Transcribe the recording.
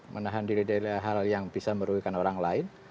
menahan diri dari hal yang bisa merugikan orang lain